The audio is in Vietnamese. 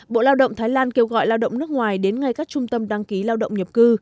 bộ lao động thái lan kêu gọi lao động nước ngoài đến ngay các trung tâm đăng ký lao động nhập cư